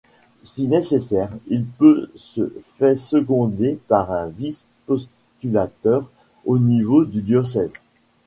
Si nécessaire il peut se fait seconder par un 'Vice-postulateur’ au niveau du diocèse.